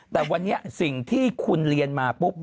แต่วันนี้สิ่งที่คุณเรียนมาปุ๊บ